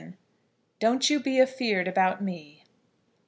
DON'T YOU BE AFEARD ABOUT ME.